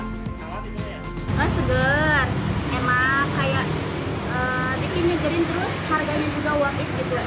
nggak seger enak kayak bikinnya gerin terus harganya juga wakit gitu